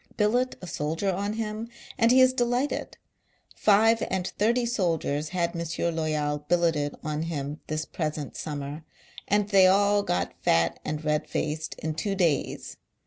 Billet a soldier on him, and he is delighted. Five aud thirty soldiers had M. Loval billeted on him this present summer, and they all got fat and red faced in two days.